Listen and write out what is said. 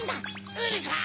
うるさい！